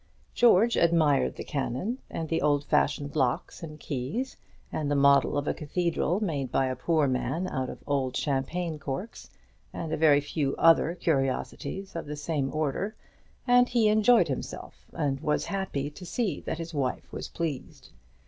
George admired the cannon, and the old fashioned locks and keys, and the model of a cathedral made by a poor man out of old champagne corks, and a few other curiosities of the same order; and he enjoyed himself, and was happy to see that his wife was pleased.